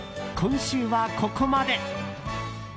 今週は、ここまで。